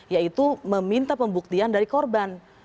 yaitu meminta pembuktian dari korban